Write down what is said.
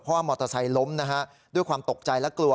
ว่ามอเตอร์ไซค์ล้มนะฮะด้วยความตกใจและกลัว